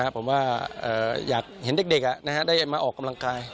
ผมว่าอยากเห็นเด็กได้มาออกกำลังกาย